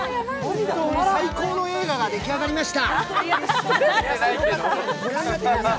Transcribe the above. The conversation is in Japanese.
本当に最高の映画が出来上がりました！